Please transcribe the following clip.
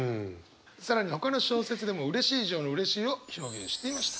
更にほかの小説でもうれしい以上のうれしいを表現していました。